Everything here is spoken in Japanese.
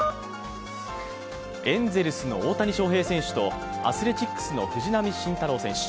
エンゼルスの大谷翔平選手とアスレチックスの藤浪晋太郎選手。